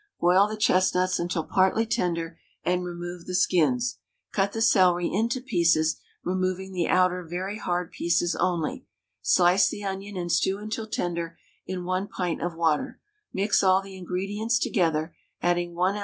Boil the chestnuts until partly tender, and remove the skins; cut the celery into pieces, removing the outer very hard pieces only, slice the onion and stew until tender in 1 pint of water; mix all the ingredients together, adding 1 oz.